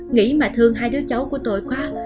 nghĩ mà thương hai đứa cháu của tôi quá